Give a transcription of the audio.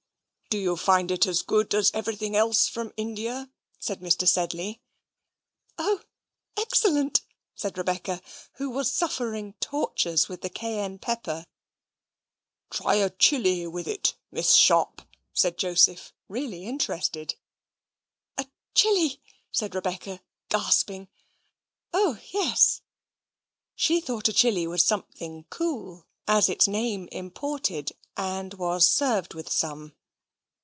"Do you find it as good as everything else from India?" said Mr. Sedley. "Oh, excellent!" said Rebecca, who was suffering tortures with the cayenne pepper. "Try a chili with it, Miss Sharp," said Joseph, really interested. "A chili," said Rebecca, gasping. "Oh yes!" She thought a chili was something cool, as its name imported, and was served with some.